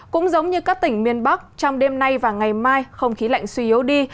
cũng giống như các tỉnh miền bắc trong đêm nay và ngày mai không khí lạnh suy yếu đi